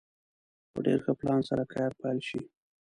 په ډېر ښه پلان سره کار پيل شي.